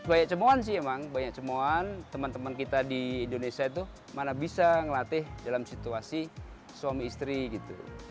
banyak cemohan sih emang banyak cemohan teman teman kita di indonesia itu mana bisa ngelatih dalam situasi suami istri gitu